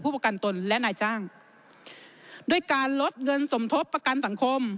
ประกันตนและนายจ้างด้วยการลดเงินสมทบประกันสังคม